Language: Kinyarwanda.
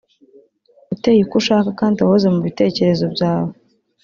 uteye uko ushaka kandi wahoze mu bitekerezo byawe